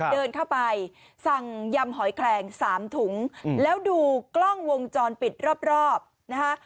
เดินเข้าไปสั่งยำหอยแคลง๓ถุงแล้วดูกล้องวงจรปิดรอบนะคะ